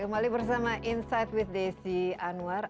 kembali bersama insight with desi anwar